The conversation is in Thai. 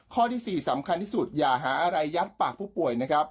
ข้อที่๔สำคัญที่สุดอย่าหาอะไรยัดปากผู้ป่วยนะครับ